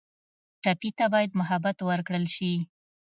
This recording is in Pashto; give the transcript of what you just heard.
ټپي ته باید محبت ورکړل شي.